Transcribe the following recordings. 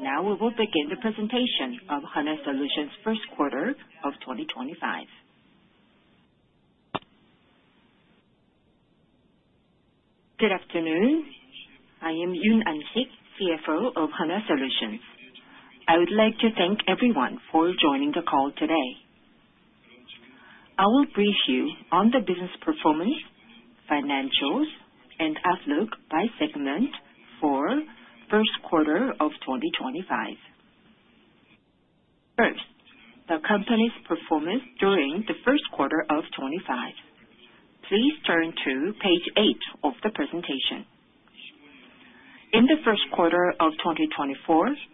We will begin the presentation of Hanwha Solutions' first quarter of 2025. Good afternoon. I am Yoon An Sik, CFO of Hanwha Solutions. I would like to thank everyone for joining the call today. I will brief you on the business performance, financials, and outlook by segment for the first quarter of 2025. First, the company's performance during the first quarter of 2025. Please turn to page 8 of the presentation. In the first quarter of 2024,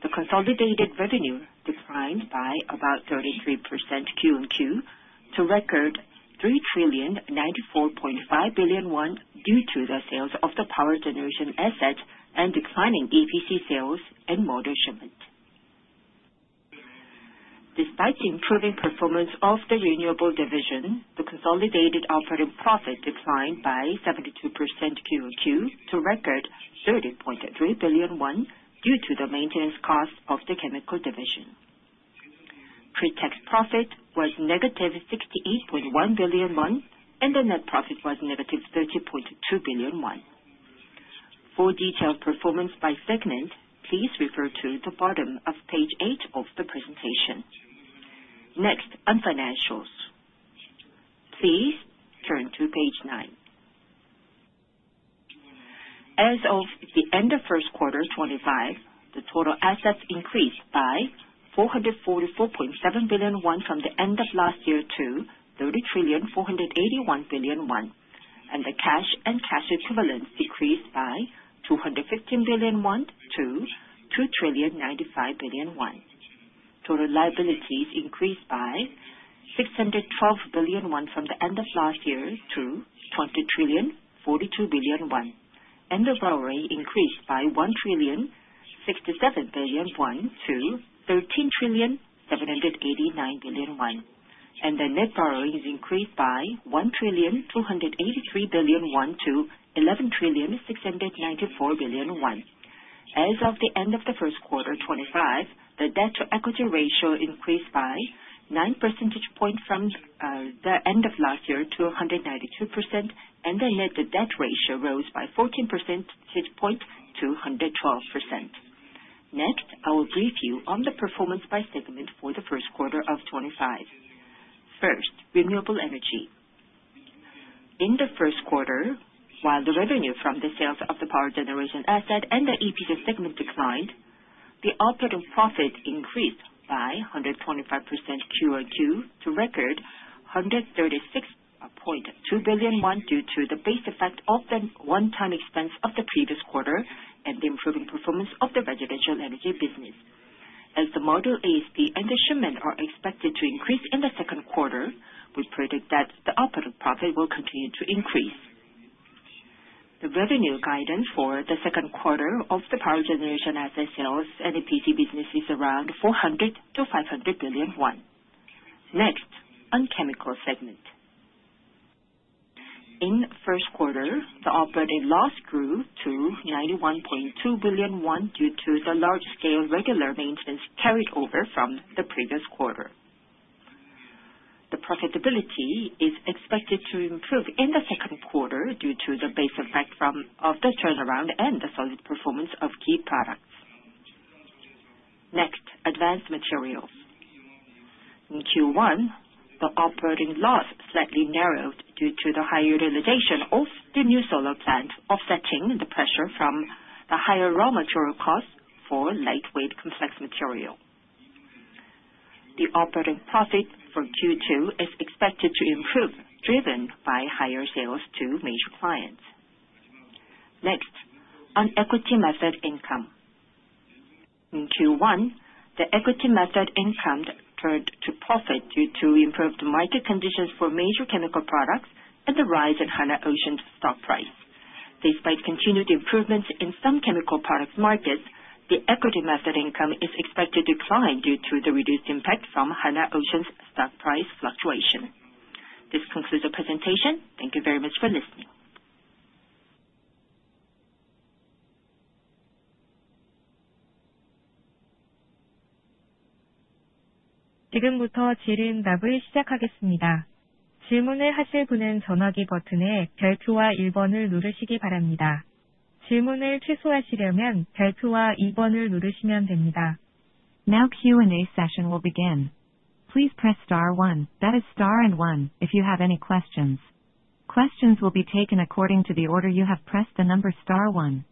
the consolidated revenue declined by about 33% QoQ to a record 3,094.5 billion won due to the sales of the power generation asset and declining EPC sales and motor shipment. Despite the improving performance of the renewable division, the consolidated operating profit declined by 72% QoQ to a record 30.3 billion won due to the maintenance cost of the chemical division. Pre-tax profit was negative 68.1 billion won, and the net profit was negative 30.2 billion won. For detailed performance by segment, please refer to the bottom of page 8 of the presentation. Next, on financials. Please turn to page 9. As of the end of first quarter 2025, the total assets increased by 444.7 billion won from the end of last year to 30,481 billion won, and the cash and cash equivalents decreased by 215 billion won to 2,095 billion won. Total liabilities increased by 612 billion won from the end of last year to 20,042 billion won, and the borrowing increased by 1,067 billion to 13,789 billion, and the net borrowing increased by 1,283 billion to 11,694 billion. As of the end of the first quarter 2025, the debt-to-equity ratio increased by 9 percentage points from the end of last year to 192%, and the net debt ratio rose by 14 percentage points to 112%. Next, I will brief you on the performance by segment for the first quarter of 2025. First, renewable energy. In the first quarter, while the revenue from the sales of the power generation asset and the EPC segment declined, the operating profit increased by 125% QoQ to a record 136.2 billion won due to the base effect of the one-time expense of the previous quarter and the improving performance of the residential energy business. As the module ASP and the shipment are expected to increase in the second quarter, we predict that the operating profit will continue to increase. The revenue guidance for the second quarter of the power generation asset sales and EPC business is around 400 billion-500 billion won. Next, on chemical segment. In the first quarter, the operating loss grew to 91.2 billion won due to the large-scale regular maintenance carried over from the previous quarter. The profitability is expected to improve in the second quarter due to the base effect of the turnaround and the solid performance of key products. Next, advanced materials. In Q1, the operating loss slightly narrowed due to the high utilization of the new solar plant, offsetting the pressure from the higher raw material cost for lightweight composite material. The operating profit for Q2 is expected to improve, driven by higher sales to major clients. Next, on equity method income. In Q1, the equity method income turned to profit due to improved market conditions for major chemical products and the rise in Hanwha Ocean's stock price. Despite continued improvements in some chemical products markets, the equity method income is expected to decline due to the reduced impact from Hanwha Ocean's stock price fluctuation. This concludes the presentation. Thank you very much for listening. * and 1 buttons on your phone. To cancel your question, please press the * and 2 buttons. Now Q&A session will begin. Please press * one, that is * and one, if you have any questions. Questions will be taken according to the order you have pressed the number * one.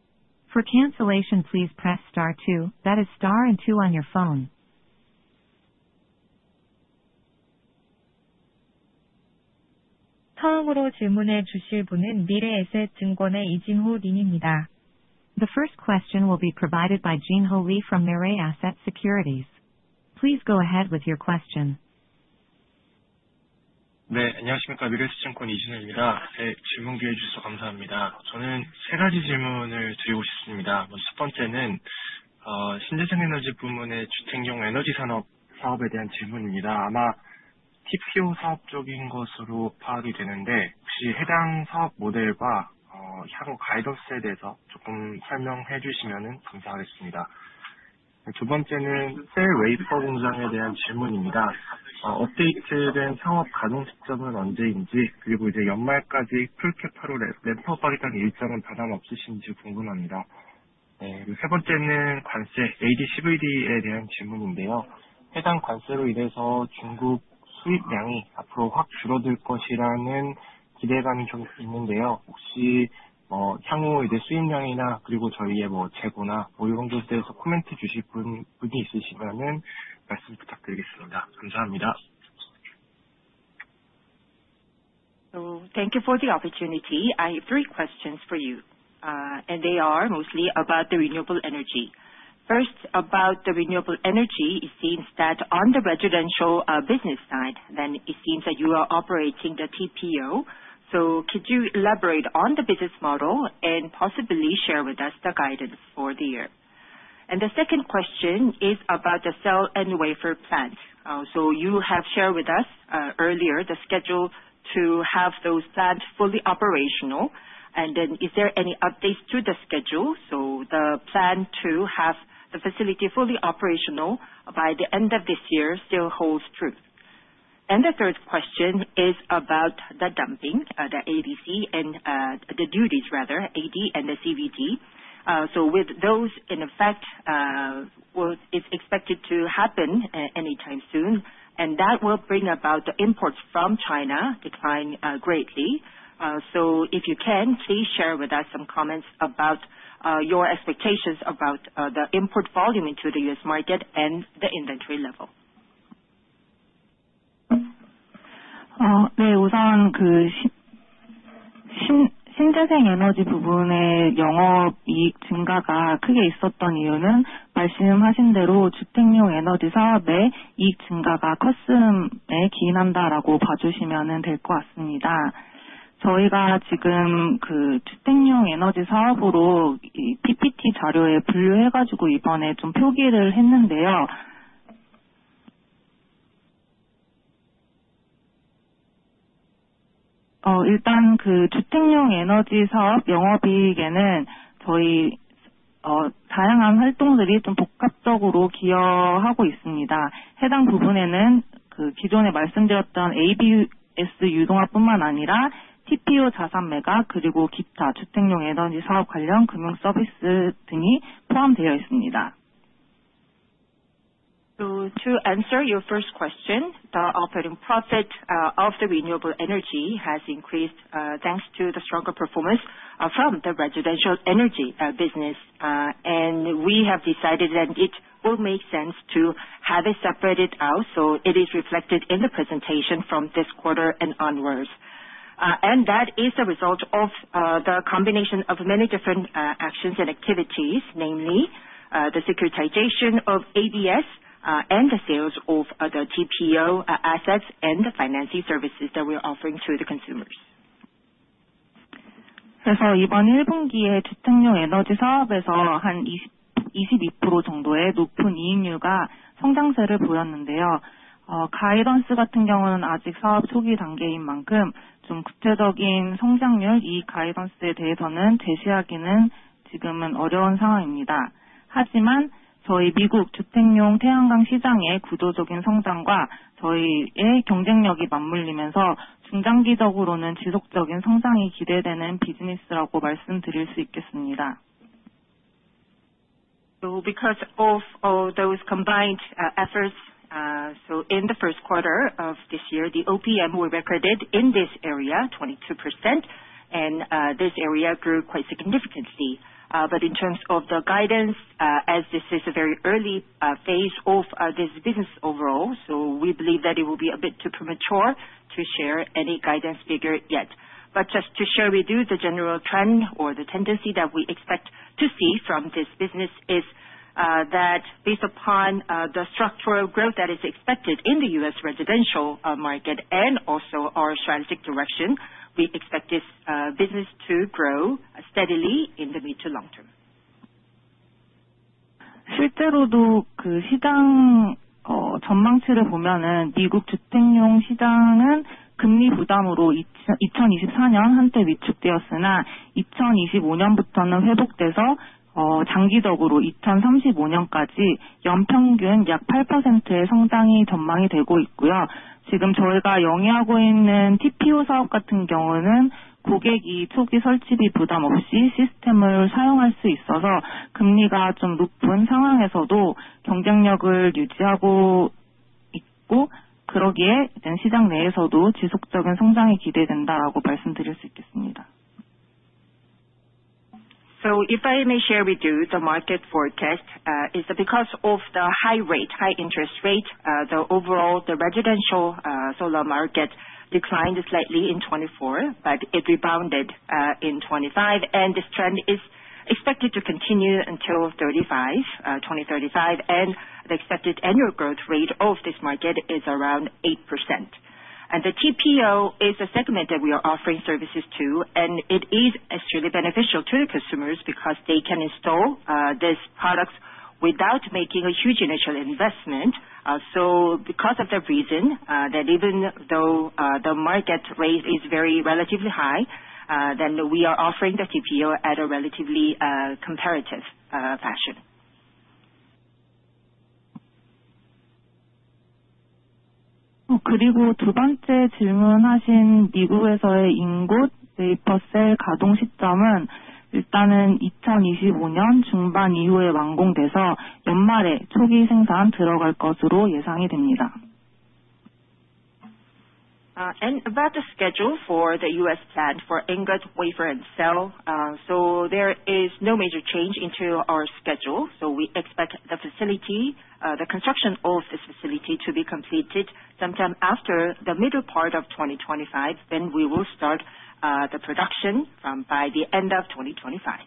For cancellation, please press * two, that is * and two on your phone. 처음으로 질문해 주실 분은 미래에셋증권의 이진호 님입니다. The first question will be provided by Jin Ho Lee from Mirae Asset Securities. Please go ahead with your question. 네, 안녕하십니까. 미래에셋증권 이진호입니다. 제 질문 기회를 주셔서 감사합니다. 저는 세 가지 질문을 드리고 싶습니다. 먼저 첫 번째는 신재생에너지 부문의 주택용 에너지 산업 사업에 대한 질문입니다. 아마 TPO 사업 쪽인 것으로 파악이 되는데, 혹시 해당 사업 모델과 향후 가이던스에 대해서 조금 설명해 주시면 감사하겠습니다. 두 번째는 셀 웨이퍼 공장에 대한 질문입니다. 업데이트된 창업 가능 시점은 언제인지, 그리고 연말까지 풀 캐파로 램프업하겠다는 일정은 변함없으신지 궁금합니다. 세 번째는 관세, ADCVD에 대한 질문인데요. 해당 관세로 인해서 중국 수입량이 앞으로 확 줄어들 것이라는 기대감이 좀 있는데요. 혹시 향후 수입량이나 그리고 저희의 재고나 이런 것에 대해서 코멘트해 주실 분이 있으시면 말씀 부탁드리겠습니다. 감사합니다. Thank you for the opportunity. I have three questions for you, and they are mostly about the renewable energy. First, about the renewable energy, it seems that on the residential business side, it seems that you are operating the TPO. Could you elaborate on the business model and possibly share with us the guidance for the year? The second question is about the cell and wafer plant. You have shared with us earlier the schedule to have those plants fully operational, and is there any updates to the schedule? The plan to have the facility fully operational by the end of this year still holds true. The third question is about the dumping, the ADC, and the duties, rather, AD and the CVD. With those in effect, it's expected to happen anytime soon, and that will bring about the imports from China declining greatly. If you can, please share with us some comments about your expectations about the import volume into the U.S., market and the inventory level. increase in profit from the residential energy business. We have now classified the residential energy business in the presentation materials and indicated it this time. First of all, various activities are contributing in a complex way to the operating profit of the residential energy business. This includes not only the ABS securitization we mentioned before, but also TPO asset sales and other financial services related to the residential energy business. To answer your first question, the operating profit of the renewable energy has increased thanks to the stronger performance from the residential energy business, and we have decided that it will make sense to have it separated out so it is reflected in the presentation from this quarter and onwards. That is the result of the combination of many different actions and activities, namely the securitization of ABS and the sales of the TPO assets and the financing services that we are offering to the consumers. 이번 1분기에 주택용 에너지 사업에서 한 22% 정도의 높은 이익률과 성장세를 보였는데요. 가이던스 같은 경우는 아직 사업 초기 단계인 만큼 좀 구체적인 성장률, 이 가이던스에 대해서는 제시하기는 지금은 어려운 상황입니다. 하지만 저희 미국 주택용 태양광 시장의 구조적인 성장과 저희의 경쟁력이 맞물리면서 중장기적으로는 지속적인 성장이 기대되는 비즈니스라고 말씀드릴 수 있겠습니다. Because of those combined efforts, in the first quarter of this year, the OPM we recorded in this area was 22%, and this area grew quite significantly. In terms of the guidance, as this is a very early phase of this business overall, we believe that it will be a bit too premature to share any guidance figure yet. Just to share with you the general trend or the tendency that we expect to see from this business is that based upon the structural growth that is expected in the U.S., residential market and also our strategic direction, we expect this business to grow steadily in the mid to long term. 실제로도 시장 전망치를 보면 미국 주택용 시장은 금리 부담으로 2024년 한때 위축되었으나 2025년부터는 회복돼서 장기적으로 2035년까지 연평균 약 8%의 성장이 전망이 되고 있고요. 지금 저희가 영위하고 있는 TPO 사업 같은 경우는 고객이 초기 설치비 부담 없이 시스템을 사용할 수 있어서 금리가 좀 높은 상황에서도 경쟁력을 유지하고 있고, 그러기에 시장 내에서도 지속적인 성장이 기대된다고 말씀드릴 수 있겠습니다. If I may share with you the market forecast, it's because of the high rate, high interest rate, the overall residential solar market declined slightly in 2024, but it rebounded in 2025, and the trend is expected to continue until 2035, and the expected annual growth rate of this market is around 8%. The TPO is a segment that we are offering services to, and it is extremely beneficial to the consumers because they can install these products without making a huge initial investment. Because of that reason, even though the market rate is very relatively high, we are offering the TPO at a relatively comparative fashion. 그리고 두 번째 질문하신 미국에서의 인곳 웨이퍼 셀 가동 시점은 일단은 2025년 중반 이후에 완공돼서 연말에 초기 생산 들어갈 것으로 예상이 됩니다. About the schedule for the U.S., plant for ingot, wafer, and cell, there is no major change to our schedule. We expect the construction of this facility to be completed sometime after the middle part of 2025. We will start the production by the end of 2025.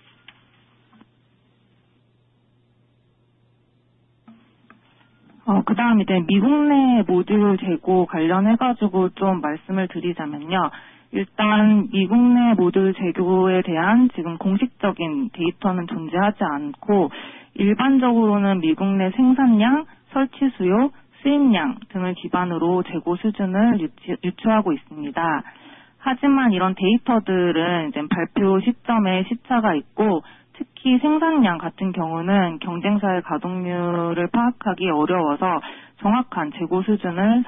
and generally, inventory levels are inferred based on U.S., production volume, installation demand, and import volume. However, there is a time lag in the release of such data, and especially in the case of production volume, it is difficult to determine competitors' utilization rates, so it is challenging to accurately estimate the inventory level.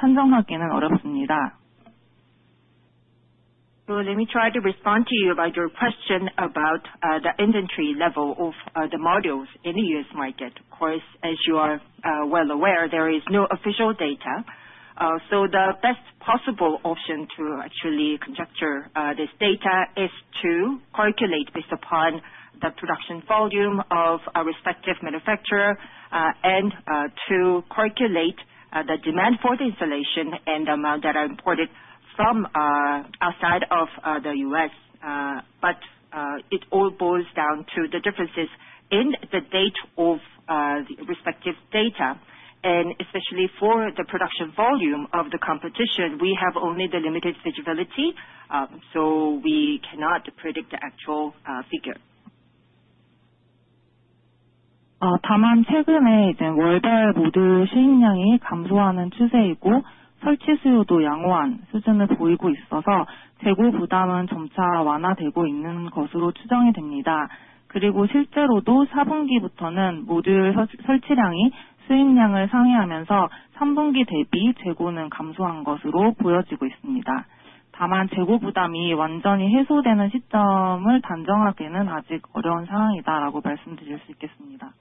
Let me try to respond to you about your question about the inventory level of the modules in the U.S., market. Of course, as you are well aware, there is no official data. The best possible option to actually conjecture this data is to calculate based upon the production volume of a respective manufacturer and to calculate the demand for the installation and the amount that are imported from outside of the U.S., It all boils down to the differences in the date of the respective data. Especially for the production volume of the competition, we have only the limited visibility, so we cannot predict the actual figure. 다만 최근에 월별 모듈 수입량이 감소하는 추세이고 설치 수요도 양호한 수준을 보이고 있어서 재고 부담은 점차 완화되고 있는 것으로 추정이 됩니다. 그리고 실제로도 4분기부터는 모듈 설치량이 수입량을 상회하면서 3분기 대비 재고는 감소한 것으로 보여지고 있습니다. 다만 재고 부담이 완전히 해소되는 시점을 단정하기는 아직 어려운 상황이다라고 말씀드릴 수 있겠습니다.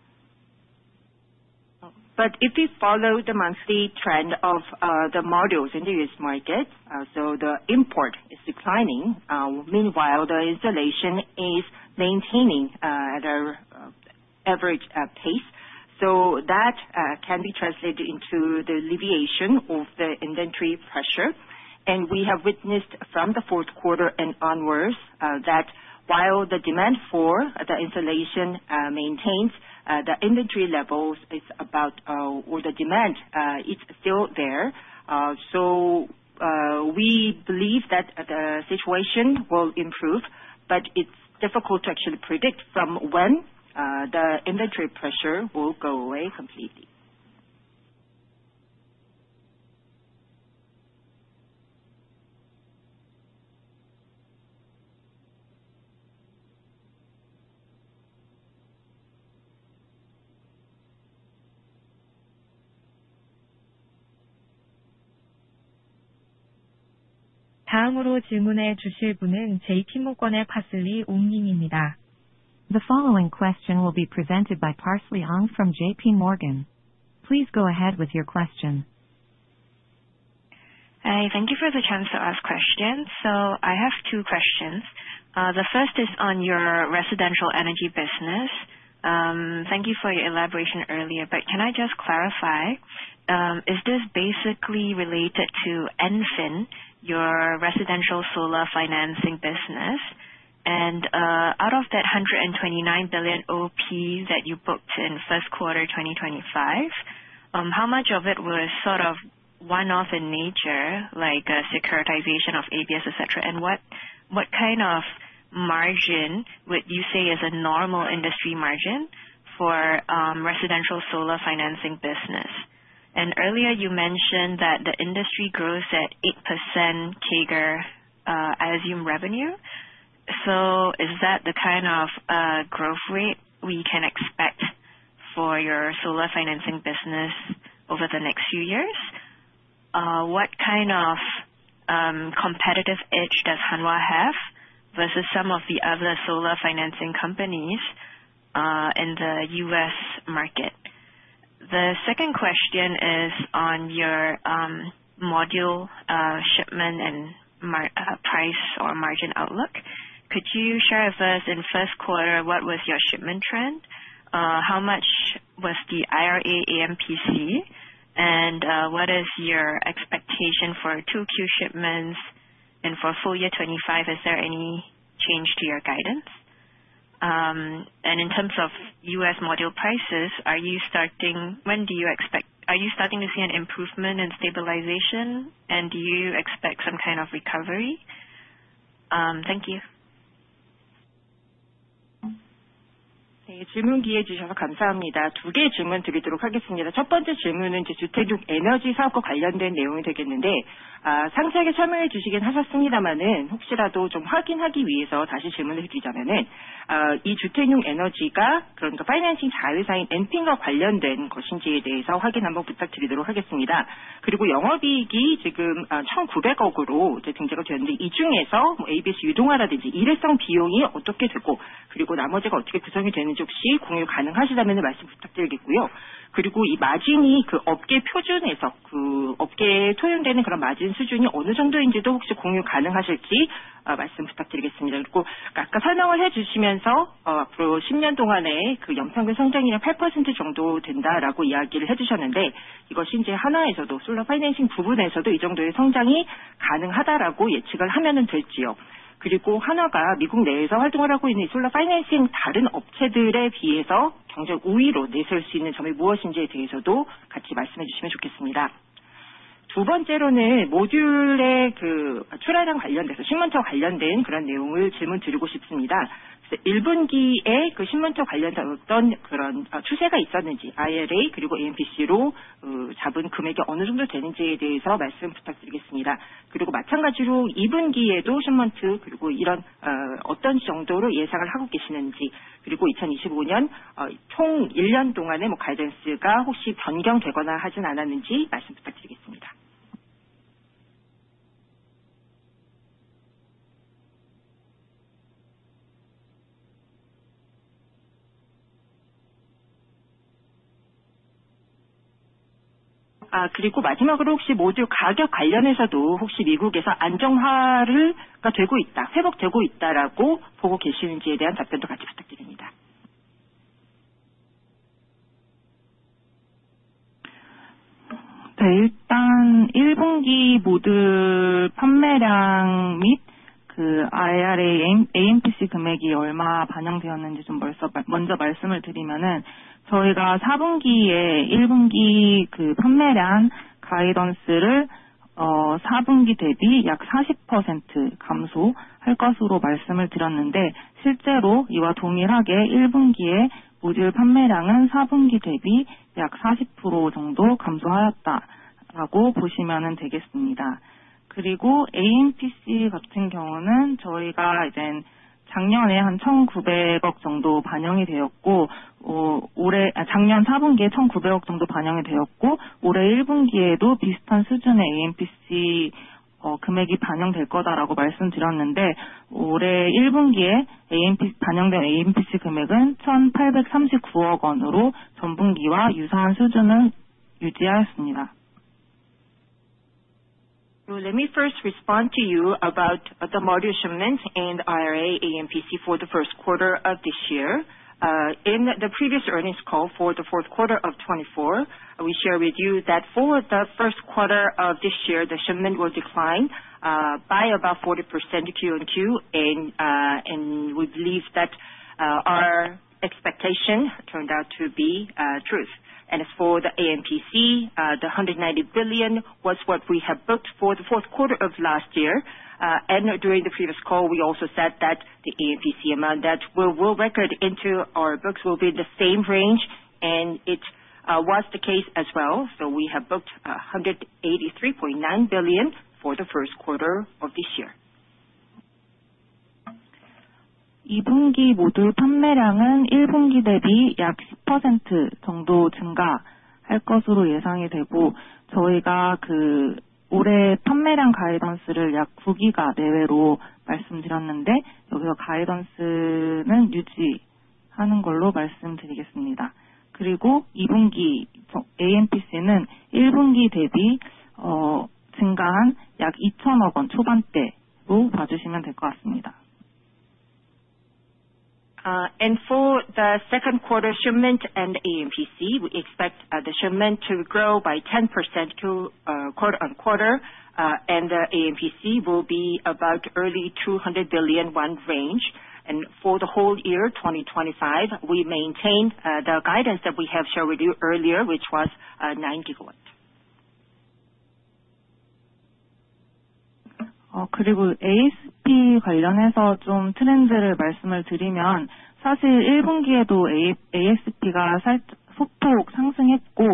If we follow the monthly trend of the modules in the U.S., market, the import is declining, meanwhile the installation is maintaining at an average pace. That can be translated into the alleviation of the inventory pressure. We have witnessed from the fourth quarter and onwards that while the demand for the installation maintains, the inventory levels is about, or the demand, it's still there. We believe that the situation will improve, but it's difficult to actually predict from when the inventory pressure will go away completely. 다음으로 질문해 주실 분은 JPMorgan의 Parsley Ong님입니다. The following question will be presented by Parsley Ong from JPMorgan. Please go ahead with your question. Hi, thank you for the chance to ask questions. I have two questions. The first is on your residential energy business. Thank you for your elaboration earlier, but can I just clarify? Is this basically related to EnFin, your residential solar financing business? Out of that 129 billion OP that you booked in first quarter 2025, how much of it was sort of one-off in nature, like securitization of ABS, etc.? What kind of margin would you say is a normal industry margin for residential solar financing business? Earlier you mentioned that the industry grows at 8% CAGR, I assume, revenue. Is that the kind of growth rate we can expect for your solar financing business over the next few years? What kind of competitive edge does Hanwha have versus some of the other solar financing companies in the US market? The second question is on your module shipment and price or margin outlook. Could you share with us in first quarter what was your shipment trend? How much was the IRA AMPC? What is your expectation for 2Q shipments and for full year 2025? Is there any change to your guidance? In terms of U.S., module prices, are you starting, when do you expect, are you starting to see an improvement and stabilization, and do you expect some kind of recovery? Thank you. explain it in detail, but just to confirm, I would like to ask again whether this residential energy is related to the financing subsidiary, EnFin. Also, the operating profit has now been updated to KRW 190 billion, and if possible, could you share how much of this is from ABS securitization or one-off costs, and how the rest is composed? If you could share that, I would appreciate it. Also, regarding this margin, could you share what the industry standard margin level is? Earlier, you mentioned that the compound annual growth rate over the next 10 years would be about 8%. Should we expect that Hanwha Solutions' solar financing segment can also achieve this level of growth? Additionally, compared to other solar financing companies operating in the United States, what are Hanwha Solutions' competitive advantages? For the second question, I would like to ask about module shipments and related segment details. 1분기에 시그먼트와 관련된 어떤 그런 추세가 있었는지, IRA 그리고 AMPC로 잡은 금액이 어느 정도 되는지에 대해서 말씀 부탁드리겠습니다. 그리고 마찬가지로 2분기에도 시그먼트, 그리고 이런 어떤 정도로 예상을 하고 계시는지, 그리고 2025년 총 1년 동안의 가이던스가 혹시 변경되거나 하진 않았는지 말씀 부탁드리겠습니다. 그리고 마지막으로 혹시 모듈 가격 관련해서도 혹시 미국에서 안정화가 되고 있다, 회복되고 있다라고 보고 계시는지에 대한 답변도 같이 부탁드립니다. Q1 sales volume would decrease by about 40% compared to Q4, and in fact, the Q1 module sales volume decreased by about 40% compared to Q4. As for AMPC, last year about KRW 190 billion was reflected, and in Q4 last year about KRW 190 billion was reflected. We mentioned that a similar level of AMPC amount would be reflected in Q1 this year, and the AMPC amount reflected in Q1 this year was KRW 183.9 billion, maintaining a similar level to the previous quarter. Let me first respond to you about the module shipments and IRA AMPC for the first quarter of this year. In the previous earnings call for the fourth quarter of 2024, we shared with you that for the first quarter of this year, the shipment will decline by about 40% QoQ, and we believe that our expectation turned out to be truth. For the AMPC, the 190 billion was what we had booked for the fourth quarter of last year. During the previous call, we also said that the AMPC amount that we will record into our books will be in the same range, and it was the case as well. We have booked 183.9 billion for the first quarter of this year. 2분기 모듈 판매량은 1분기 대비 약 10% 정도 증가할 것으로 예상이 되고, 저희가 올해 판매량 가이던스를 약 9기가 내외로 말씀드렸는데, 여기서 가이던스는 유지하는 걸로 말씀드리겠습니다. 그리고 2분기 AMPC는 1분기 대비 증가한 약 200,000,000,000 초반대로 봐주시면 될것 같습니다. For the second quarter shipment and AMPC, we expect the shipment to grow by 10% quarter on quarter, and the AMPC will be about early 200 billion range. For the whole year 2025, we maintain the guidance that we have shared with you earlier, which was 9 gigawatt. 그리고 ASP 관련해서 좀 트렌드를 말씀을 드리면, 사실 1분기에도 ASP가 살짝 소폭 상승했고,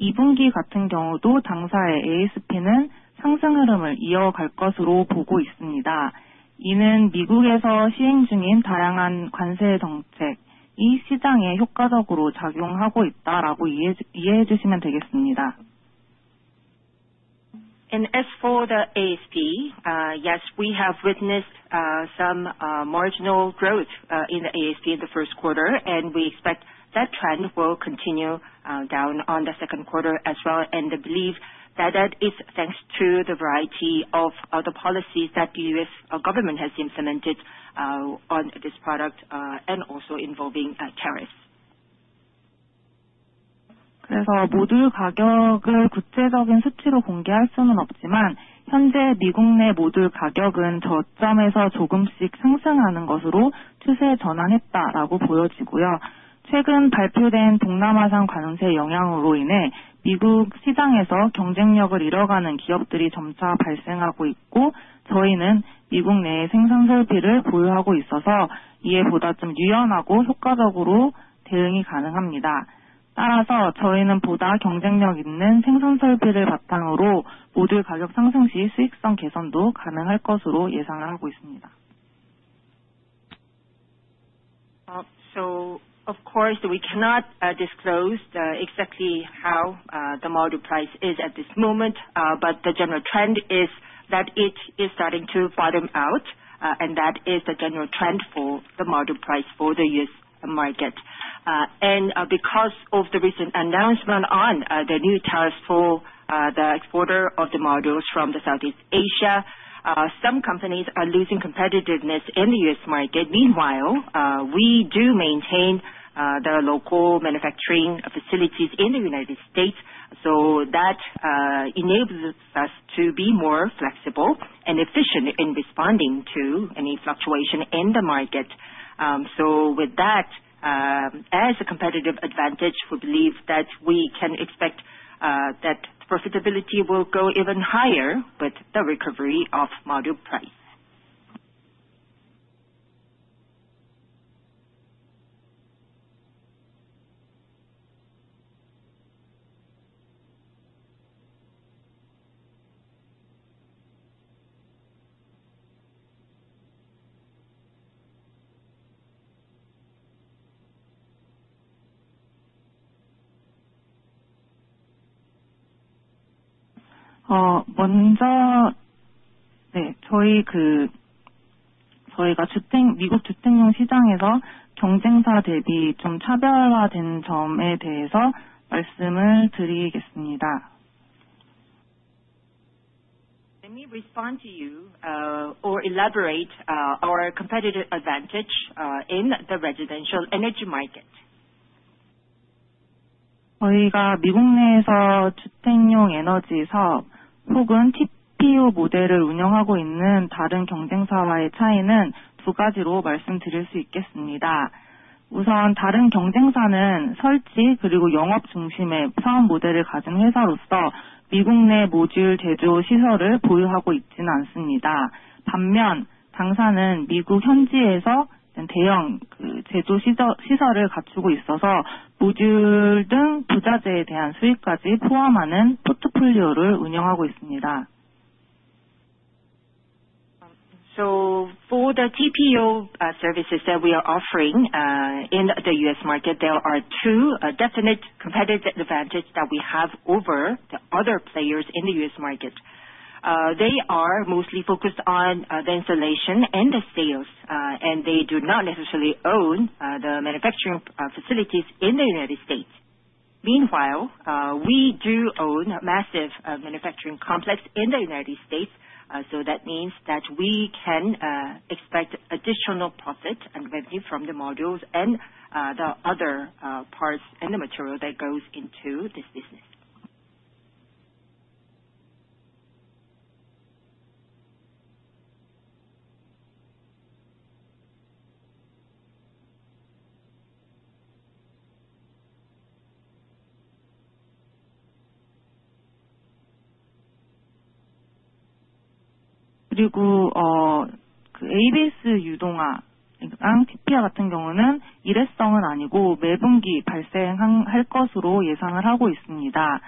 2분기 같은 경우도 당사의 ASP는 상승 흐름을 이어갈 것으로 보고 있습니다. 이는 미국에서 시행 중인 다양한 관세 정책이 시장에 효과적으로 작용하고 있다라고 이해해 주시면 되겠습니다. As for the ASP, yes, we have witnessed some marginal growth in the ASP in the first quarter, and we expect that trend will continue down on the second quarter as well. I believe that that is thanks to the variety of other policies that the U.S., government has implemented on this product and also involving tariffs. 그래서 모듈 가격을 구체적인 수치로 공개할 수는 없지만, 현재 미국 내 모듈 가격은 저점에서 조금씩 상승하는 것으로 추세 전환했다라고 보여지고요. 최근 발표된 동남아산 관세 영향으로 인해 미국 시장에서 경쟁력을 잃어가는 기업들이 점차 발생하고 있고, 저희는 미국 내에 생산 설비를 보유하고 있어서 이에 보다 좀 유연하고 효과적으로 대응이 가능합니다. 따라서 저희는 보다 경쟁력 있는 생산 설비를 바탕으로 모듈 가격 상승 시 수익성 개선도 가능할 것으로 예상을 하고 있습니다. Of course, we cannot disclose exactly how the module price is at this moment, but the general trend is that it is starting to bottom out, and that is the general trend for the module price for the U.S., market. Because of the recent announcement on the new tariffs for the exporter of the modules from Southeast Asia, some companies are losing competitiveness in the U.S., market. Meanwhile, we do maintain the local manufacturing facilities in the United States, so that enables us to be more flexible and efficient in responding to any fluctuation in the market. With that, as a competitive advantage, we believe that we can expect that profitability will go even higher with the recovery of module price. 먼저 저희가 미국 주택용 시장에서 경쟁사 대비 좀 차별화된 점에 대해서 말씀을 드리겠습니다. Let me respond to you or elaborate our competitive advantage in the residential energy market. TPO model in the U.S. First, other competitors are companies with a business model focused on installation and sales, and they do not have module manufacturing facilities in the U.S., On the other hand, we have large-scale manufacturing facilities locally in the U.S., so we operate a portfolio that includes profits from modules and other materials. For the TPO services that we are offering in the U.S., market, there are two definite competitive advantages that we have over the other players in the U.S., market. They are mostly focused on the installation and the sales, and they do not necessarily own the manufacturing facilities in the United States. Meanwhile, we do own a massive manufacturing complex in the United States, so that means that we can expect additional profit and revenue from the modules and the other parts and the material that goes into this business. 그리고 ABS 유동화랑 TPO 같은 경우는 일회성은 아니고 매분기 발생할 것으로 예상을 하고 있습니다.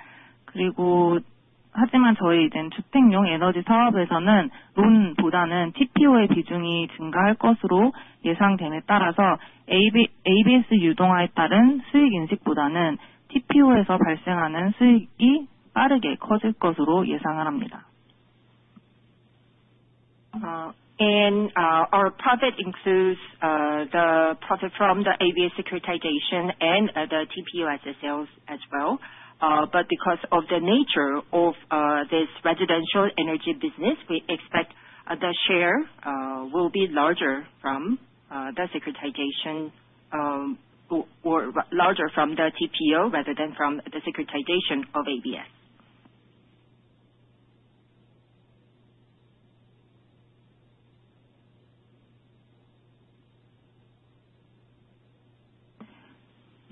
그리고 하지만 저희 주택용 에너지 사업에서는 론보다는 TPO의 비중이 증가할 것으로 예상됨에 따라서 ABS 유동화에 따른 수익 인식보다는 TPO에서 발생하는 수익이 빠르게 커질 것으로 예상을 합니다. Our profit includes the profit from the ABS securitization and the TPO as a sales as well. Because of the nature of this residential energy business, we expect the share will be larger from the securitization or larger from the TPO rather than from the securitization of ABS.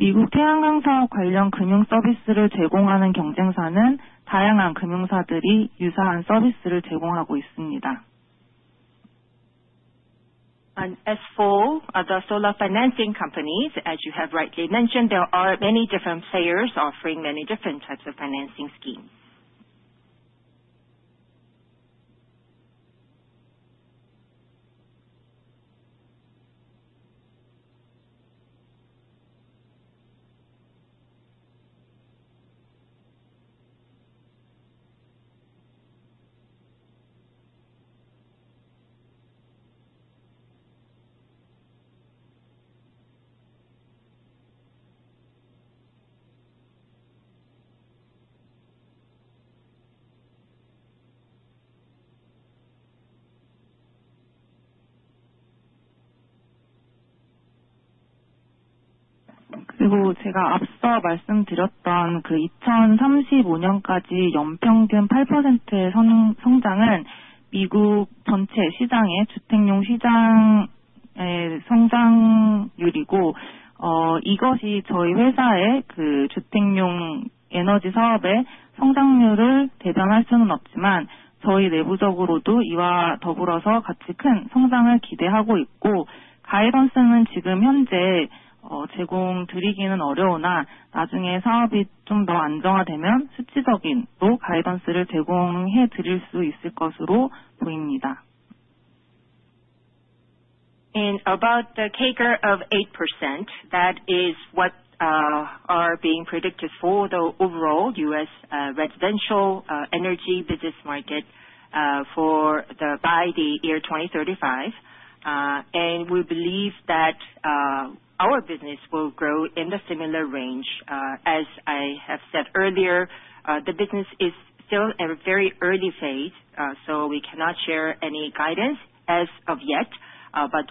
미국 태양광 사업 관련 금융 서비스를 제공하는 경쟁사는 다양한 금융사들이 유사한 서비스를 제공하고 있습니다. As for the solar financing companies, as you have rightly mentioned, there are many different players offering many different types of financing schemes. 그리고 제가 앞서 말씀드렸던 2035년까지 연평균 8%의 성장은 미국 전체 시장의 주택용 시장의 성장률이고, 이것이 저희 회사의 주택용 에너지 사업의 성장률을 대변할 수는 없지만 저희 내부적으로도 이와 더불어서 같이 큰 성장을 기대하고 있고, 가이던스는 지금 현재 제공드리기는 어려우나 나중에 사업이 좀더 안정화되면 수치적으로 가이던스를 제공해 드릴 수 있을 것으로 보입니다. About the CAGR of 8%, that is what is being predicted for the overall U.S., residential energy business market for the year 2035. We believe that our business will grow in the similar range. As I have said earlier, the business is still in a very early phase, so we cannot share any guidance as of yet.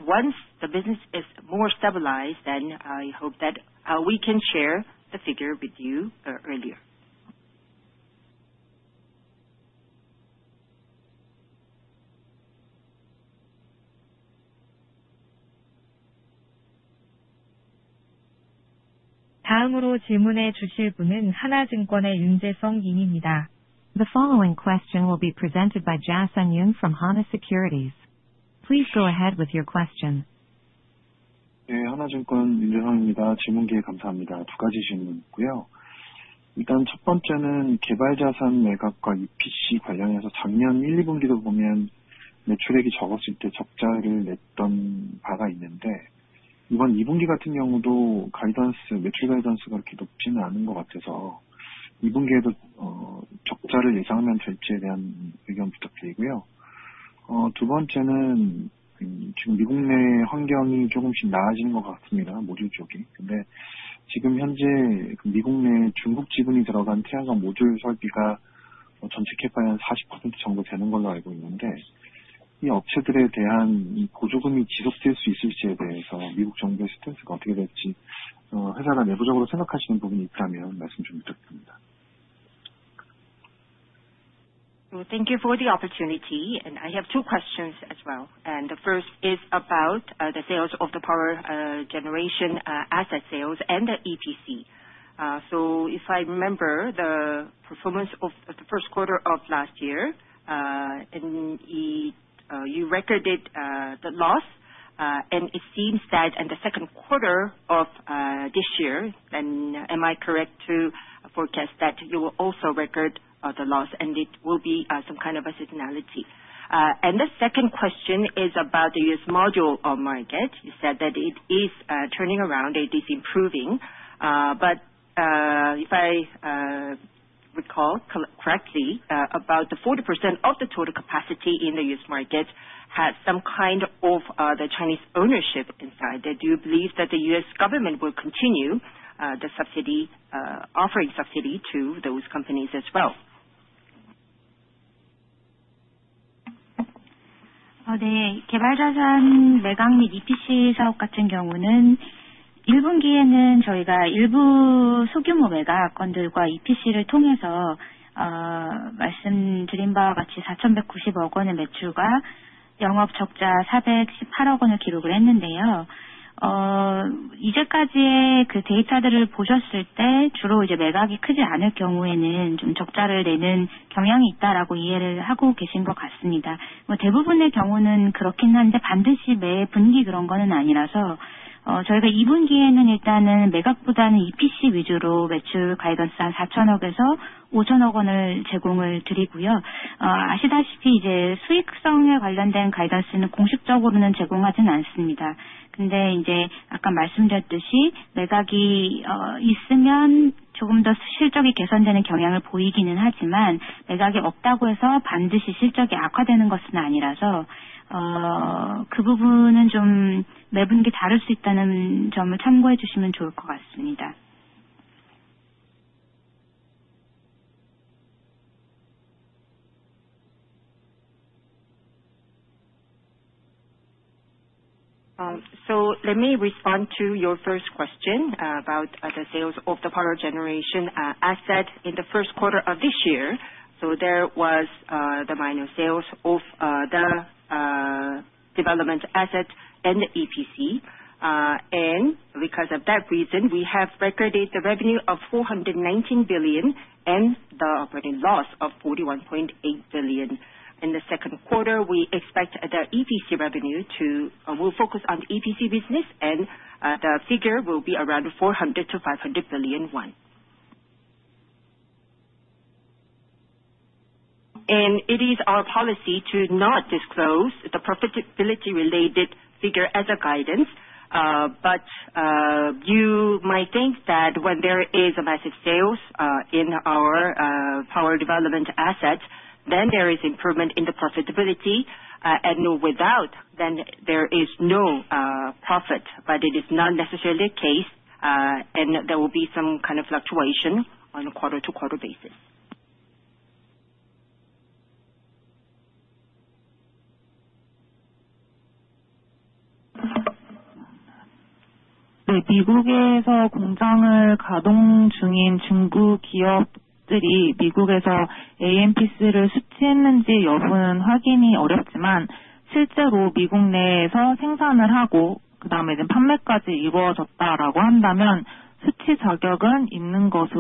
Once the business is more stabilized, I hope that we can share the figure with you earlier. 다음으로 질문해 주실 분은 Hana Securities의 Yoon Jae-seong 님입니다. The following question will be presented by Jae Sung Yoon from Hana Securities. Please go ahead with your question. 네, 하나증권 윤재성입니다. 질문 기회 감사합니다. 두 가지 질문 있고요. 일단 첫 번째는 개발 자산 매각과 EPC 관련해서 작년 1, 2분기도 보면 매출액이 적었을 때 적자를 냈던 바가 있는데, 이번 2분기 같은 경우도 매출 가이던스가 그렇게 높지는 않은 것 같아서 2분기에도 적자를 예상하면 될지에 대한 의견 부탁드리고요. 두 번째는 지금 미국 내 환경이 조금씩 나아지는 것 같습니다, 모듈 쪽이. 근데 지금 현재 미국 내 중국 지분이 들어간 태양광 모듈 설비가 전체 캐파의 한 40% 정도 되는 걸로 알고 있는데, 이 업체들에 대한 보조금이 지속될 수 있을지에 대해서 미국 정부의 스탠스가 어떻게 될지 회사가 내부적으로 생각하시는 부분이 있다면 말씀 좀 부탁드립니다. Thank you for the opportunity. I have two questions as well. The first is about the sales of the power generation asset sales and the EPC. If I remember the performance of the first quarter of last year, you recorded the loss, and it seems that in the second quarter of this year, am I correct to forecast that you will also record the loss, and it will be some kind of a seasonality? The second question is about the U.S., module market. You said that it is turning around, it is improving. If I recall correctly, about 40% of the total capacity in the U.S., market has some kind of the Chinese ownership inside. Do you believe that the U.S., government will continue the subsidy, offering subsidy to those companies as well? through some small-scale sales and EPC. Looking at the data so far, it seems that you understand there tends to be a loss when the sales are not large. In most cases, that is true, but it is not necessarily the case every quarter. For the second quarter, we are providing revenue guidance of KRW 400 billion-KRW 500 billion, mainly focused on EPC rather than sales. As you know, we do not officially provide guidance related to profitability. As I mentioned earlier, if there are sales, there tends to be some improvement in performance, but the absence of sales does not necessarily mean performance will worsen, so please note that this can vary each quarter. Let me respond to your first question about the sales of the power generation asset in the first quarter of this year. There was the minor sales of the development asset and the EPC. Because of that reason, we have recorded the revenue of 419 billion and the operating loss of 41.8 billion. In the second quarter, we expect the EPC revenue to, we'll focus on the EPC business and the figure will be around 400-500 billion won. It is our policy to not disclose the profitability-related figure as a guidance. You might think that when there is a massive sales in our power development asset, then there is improvement in the profitability. Without, then there is no profit. It is not necessarily the case. There will be some kind of fluctuation on a quarter-to-quarter basis. in the U.S., but if actual production and subsequent sales have taken place in the U.S., it is considered that they are eligible to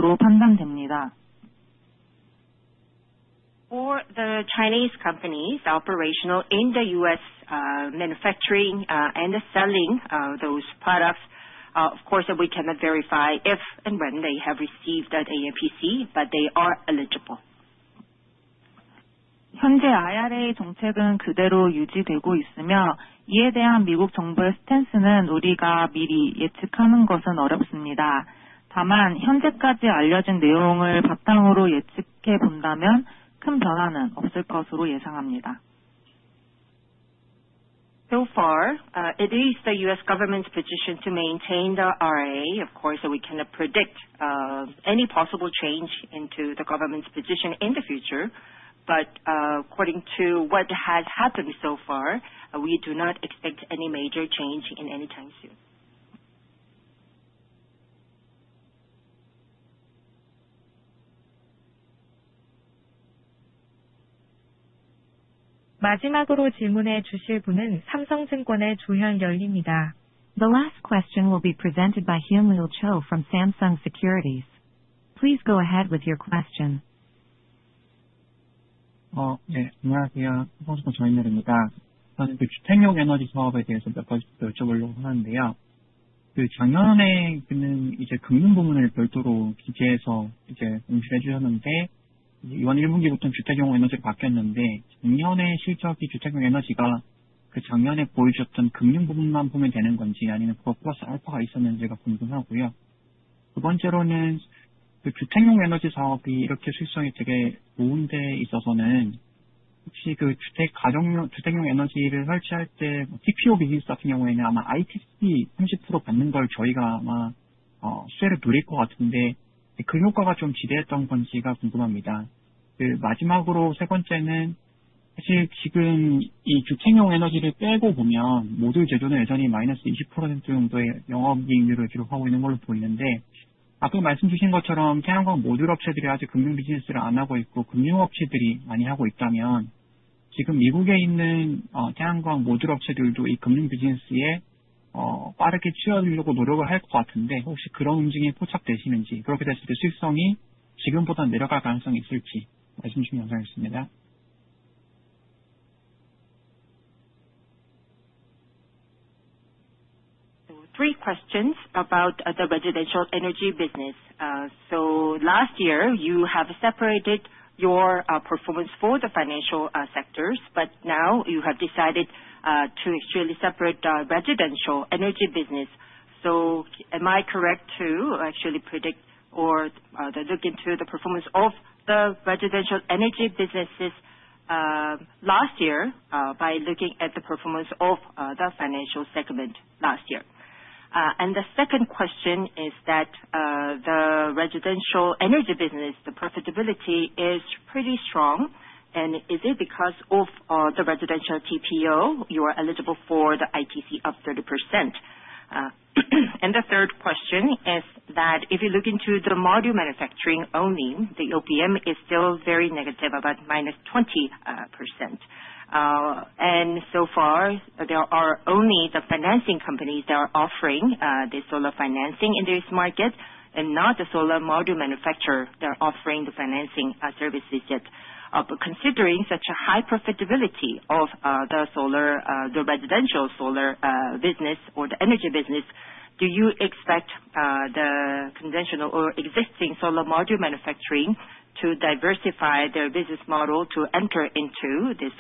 receive it. For the Chinese companies operational in the U.S., manufacturing and selling those products, of course we cannot verify if and when they have received that AMPC, but they are eligible. 현재 IRA 정책은 그대로 유지되고 있으며 이에 대한 미국 정부의 스탠스는 우리가 미리 예측하는 것은 어렵습니다. 다만 현재까지 알려진 내용을 바탕으로 예측해 본다면 큰 변화는 없을 것으로 예상합니다. It is the U.S., government's position to maintain the RA. Of course, we cannot predict any possible change in the government's position in the future. According to what has happened so far, we do not expect any major change any time soon. 마지막으로 질문해 주실 분은 삼성증권의 조현결입니다. The last question will be presented by Hyun-woo Cho from Samsung Securities. Please go ahead with your question. 네, 안녕하세요. 스포츠코 조현결입니다. 주택용 에너지 사업에 대해서 몇 가지 여쭤보려고 하는데요. 작년에 금융 부문을 별도로 기재해서 응시를 해주셨는데 이번 1분기부터는 주택용 에너지로 바뀌었는데 작년에 실적이 주택용 에너지가 그 작년에 보여주셨던 금융 부분만 보면 되는 건지 아니면 그거 플러스 알파가 있었는지가 궁금하고요. 두 번째로는 주택용 에너지 사업이 이렇게 수익성이 되게 좋은 데에 있어서는 혹시 주택용 에너지를 설치할 때 TPO 비즈니스 같은 경우에는 아마 ITC 30% 받는 걸 저희가 아마 수혜를 누릴 것 같은데 그 효과가 좀 지대했던 건지가 궁금합니다. 마지막으로 세 번째는 사실 지금 주택용 에너지를 빼고 보면 모듈 제조는 여전히 마이너스 20% 정도의 영업 이익률을 기록하고 있는 걸로 보이는데 앞서 말씀주신 것처럼 태양광 모듈 업체들이 아직 금융 비즈니스를 안 하고 있고 금융 업체들이 많이 하고 있다면 지금 미국에 있는 태양광 모듈 업체들도 이 금융 비즈니스에 빠르게 치어들려고 노력을 할것 같은데 혹시 그런 움직임이 포착되시는지 그렇게 됐을 때 수익성이 지금보다 내려갈 가능성이 있을지 말씀 주시면 감사하겠습니다. Three questions about the residential energy business. Last year you have separated your performance for the financial sectors, but now you have decided to actually separate the residential energy business. Am I correct to actually predict or look into the performance of the residential energy business last year by looking at the performance of the financial segment last year? The second question is that the residential energy business, the profitability is pretty strong. Is it because of the residential TPO you are eligible for the ITC of 30%? The third question is that if you look into the module manufacturing only, the OPM is still very negative, about minus 20%. So far there are only the financing companies that are offering the solar financing in this market and not the solar module manufacturer that are offering the financing services yet. Considering such a high profitability of the residential solar business or the energy business, do you expect the conventional or existing solar module manufacturing to diversify their business model to enter into the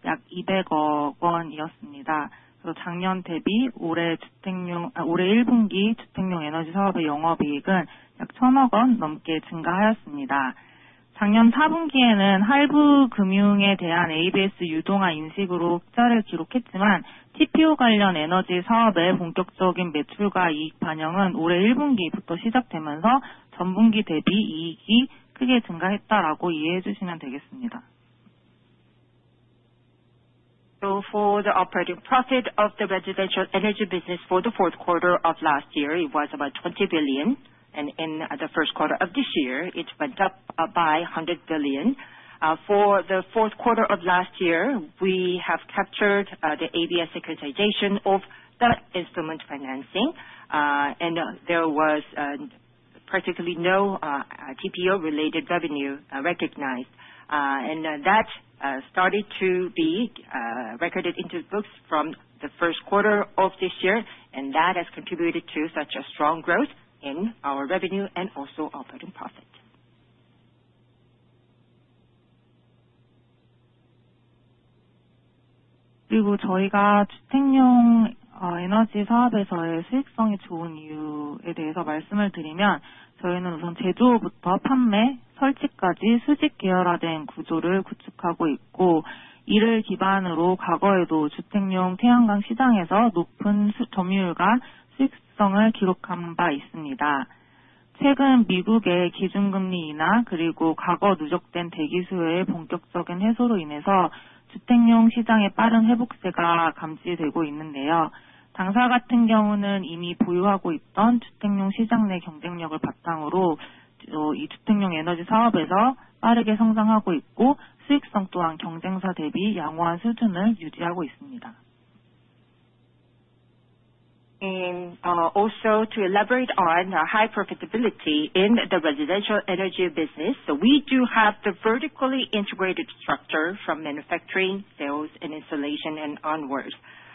solar financing business as well? than KRW 100 billion. In the fourth quarter last year, a profit was recorded due to ABS securitization recognition for installment financing, but the full-scale reflection of sales and profit from the TPO-related energy business began in the first quarter this year, so you can understand that the profit increased significantly compared to the previous quarter. For the operating profit of the residential energy business for the fourth quarter of last year, it was about KRW 20 billion. In the first quarter of this year, it went up by 100 billion. For the fourth quarter of last year, we have captured the ABS securitization of the instrument financing. There was practically no TPO-related revenue recognized. That started to be recorded into the books from the first quarter of this year. That has contributed to such a strong growth in our revenue and also operating profit. 그리고 저희가 주택용 에너지 사업에서의 수익성이 좋은 이유에 대해서 말씀을 드리면 저희는 우선 제조부터 판매, 설치까지 수직 계열화된 구조를 구축하고 있고 이를 기반으로 과거에도 주택용 태양광 시장에서 높은 점유율과 수익성을 기록한 바 있습니다. 최근 미국의 기준 금리 인하 그리고 과거 누적된 대기 수요의 본격적인 해소로 인해서 주택용 시장의 빠른 회복세가 감지되고 있는데요. 당사 같은 경우는 이미 보유하고 있던 주택용 시장 내 경쟁력을 바탕으로 이 주택용 에너지 사업에서 빠르게 성장하고 있고 수익성 또한 경쟁사 대비 양호한 수준을 유지하고 있습니다. Also, to elaborate on high profitability in the residential energy business, we do have the vertically integrated structure from manufacturing, sales, and installation and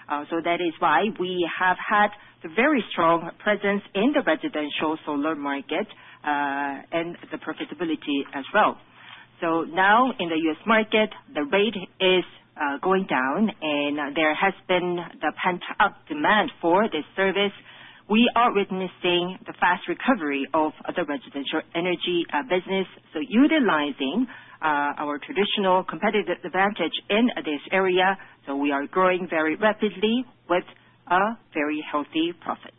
onwards. That is why we have had a very strong presence in the residential solar market and the profitability as well. Now, in the U.S., market, the rate is going down and there has been the pent-up demand for this service. We are witnessing the fast recovery of the residential energy business. Utilizing our traditional competitive advantage in this area, we are growing very rapidly with a very healthy profit.